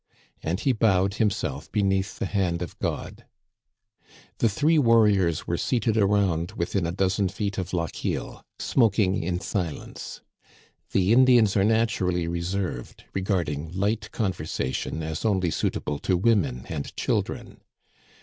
And he. bowed himself be neath the hand of God. The three warriors were seated around within a dozen feet of Lochiel, smoking in silence. The Indians are naturally reserved, regarding light conversation as only suitable to women and children.